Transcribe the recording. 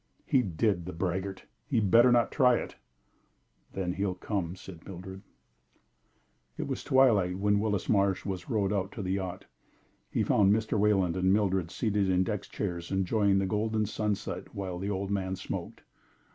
"He did, the braggart! He had better not try it." "Then he'll come," said Mildred. It was twilight when Willis Marsh was rowed out to the yacht. He found Mr. Wayland and Mildred seated in deck chairs enjoying the golden sunset while the old man smoked.